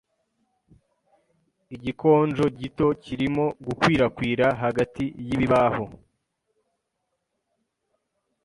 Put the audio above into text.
igikonjo gito kirimo gukwirakwira hagati yibibaho